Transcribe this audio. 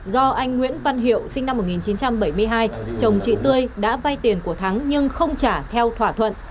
do anh nguyễn văn hiệu sinh năm một nghìn chín trăm bảy mươi hai chồng chị tươi đã vay tiền của thắng nhưng không trả theo thỏa thuận